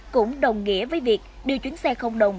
cũng đồng nghĩa với việc đưa chuyến xe không đồng